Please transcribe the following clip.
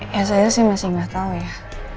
ya saya sih masih nggak tahu ya